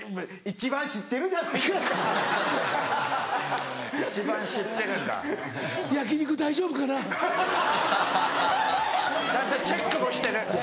ちゃんとチェックもしてる。